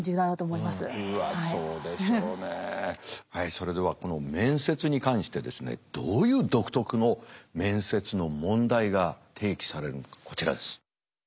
それではこの面接に関してですねどういう独特の面接の問題が提起されるのかこちらです。